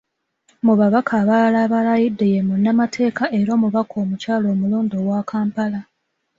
Mu babaka abalala abalayidde ye munnamateeka era omubaka omukyala omulonde owa Kampala.